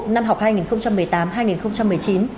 năm học hai nghìn một mươi tám hai nghìn một mươi chín